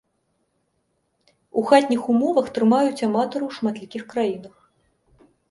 У хатніх умовах трымаюць аматары ў шматлікіх краінах.